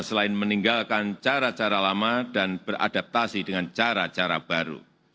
selain meninggalkan cara cara lama dan beradaptasi dengan cara cara baru